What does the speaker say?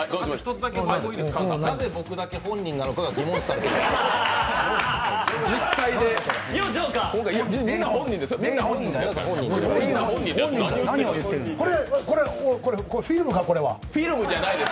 なぜ、僕だけ本人なのかが疑問視されています。